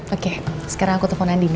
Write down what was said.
oke sekarang aku telpon andien ya